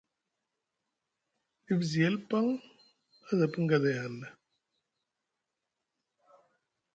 Dif zi yel paŋ a za pini gaday hanɗa.